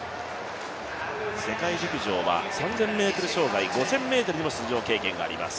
世界陸上は３０００ｍ障害、５０００ｍにも出場経験があります。